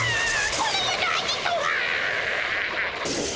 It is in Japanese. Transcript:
この世の味とはっ！